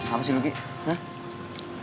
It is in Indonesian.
apa sih lu gek